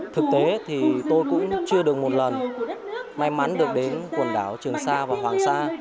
thực tế thì tôi cũng chưa được một lần may mắn được đến quần đảo trường sa và hoàng sa